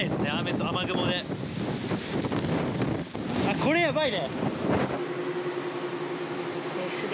これ、やばいね。